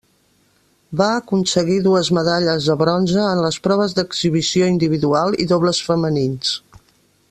Va aconseguir dues medalles de bronze en les proves d'exhibició individual i dobles femenins.